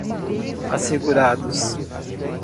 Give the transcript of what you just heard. assegurados